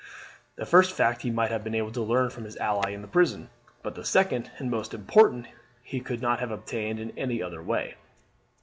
The first fact he might have been able to learn from his ally in the prison, but the second and most important he could not have obtained in any other way.